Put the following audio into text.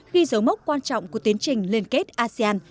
ghi dấu mốc quan trọng của tiến trình liên kết asean